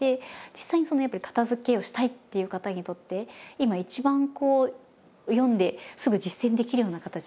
実際にやっぱり片づけをしたいっていう方にとって今一番読んですぐ実践できるような形で物語にしてみたんです。